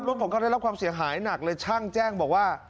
รถของเขาได้รับความเสียหายหนักเลยช่างแจ้งบอกว่า